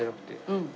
うん！